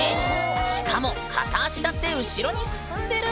しかも片足立ちで後ろに進んでる！